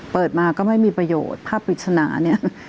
เปิดมาก็ไม่มีประโยชน์ภาพปริศนาเนี่ย